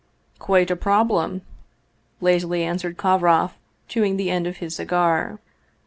"" Quite a problem," lazily answered Kovroff, chewing the end of his cigar.